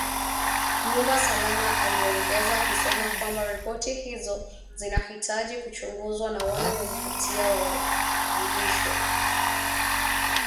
nyumba salama aliongeza akisema kwamba ripoti hizo zinahitaji kuchunguzwa na wale wenye hatia wawajibishwe